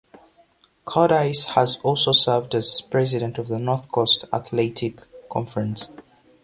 Courtice has also served as president of the North Coast Athletic Conference.